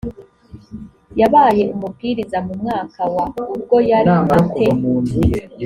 yabaye umubwiriza mu mwaka wa ubwo yari a te